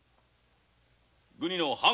グニの半。